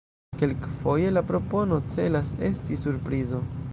Kelkfoje la propono celas esti surprizo.